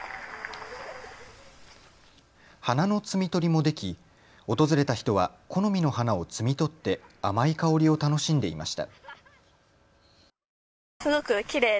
花の摘み取りもでき訪れた人は好みの花を摘み取って甘い香りを楽しんでいました。